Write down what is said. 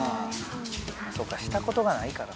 そっかしたことがないからな。